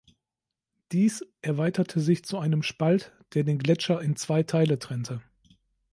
Dies erweiterte sich zu einem Spalt, der den Gletscher in zwei Teile trennte.